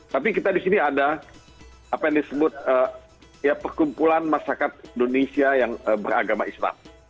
tapi kita di sini ada apa yang disebut perkumpulan masyarakat indonesia yang beragama islam